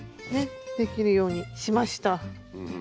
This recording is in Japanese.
できるようにしました。